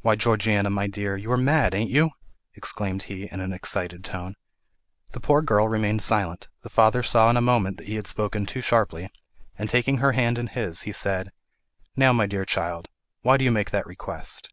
"Why, Georgiana, my dear, you are mad, ain't you?" exclaimed he, in an excited tone. The poor girl remained silent; the father saw in a moment that he had spoken too sharply; and taking her hand in his he said, "Now, my child, why do you make that request?"